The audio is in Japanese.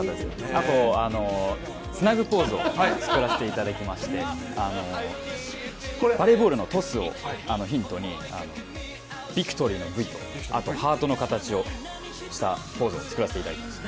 あと、ツナグポーズを作らせていただきましてバレーボールのトスをヒントに、ビクトリーのＶ、あと、ハートの形をしたポーズを作らせていただきました。